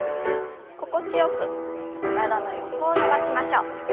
心地よく体の横を伸ばしましょう。